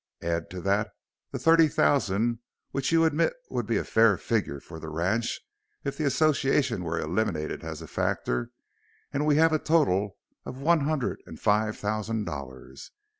Add to that the thirty thousand which you admit would be a fair figure for the ranch if the Association were eliminated as a factor, and we have a total of one hundred and five thousand dollars."